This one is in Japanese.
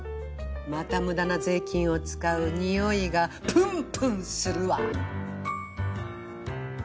また無駄な税金を使うにおいがぷんぷんするわ。